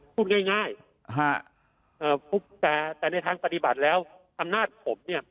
พูดง่ายแต่ในทางปฏิบัติแล้วอำนาจผมเนี่ย